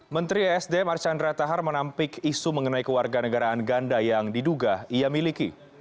menteri esd marchandra tahar menampik isu mengenai kewarganegaraan ganda yang diduga ia miliki